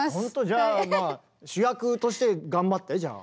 じゃあまあ主役として頑張って。